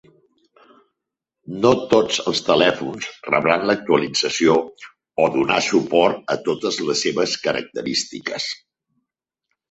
No tots els telèfons rebran l'actualització o donar suport a totes les seves característiques.